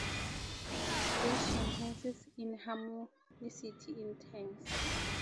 This enhances inharmonicity in tines.